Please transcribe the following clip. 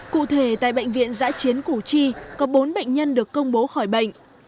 cụ thể tại bệnh viện giãi chiến củ chi có bốn bệnh nhân được công bố khỏi bệnh